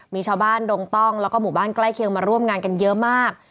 มีชาวบ้านดงต้องแล้วก็หมู่บ้านใกล้เคียงมาร่วมงานกันเยอะมาก